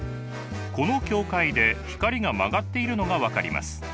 この境界で光が曲がっているのが分かります。